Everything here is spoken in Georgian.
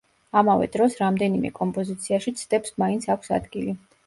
ამავე დროს, რამდენიმე კომპოზიციაში ცდებს მაინც აქვს ადგილი.